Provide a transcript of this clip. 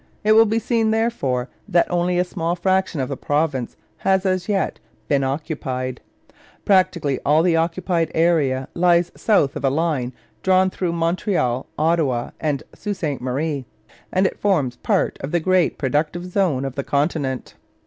It will be seen, therefore, that only a small fraction of the province has, as yet, been occupied. Practically all the occupied area lies south of a line drawn through Montreal, Ottawa, and Sault Ste Marie, and it forms part of the great productive zone of the continent.